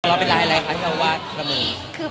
แล้วเป็นรายอะไรคะเที่ยววาดกระมือ